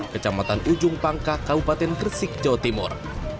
kecamatan ujung pangkah kabupaten kresik jawa timur